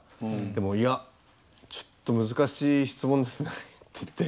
でも「いやちょっと難しい質問ですね」って言って。